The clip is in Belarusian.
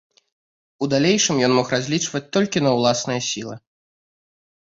У далейшым ён мог разлічваць толькі на ўласныя сілы.